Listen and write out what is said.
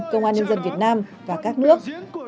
công an nhân dân việt nam và các nước